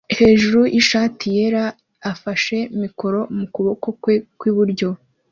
hejuru yishati yera afashe mikoro mukuboko kwe kwi buryo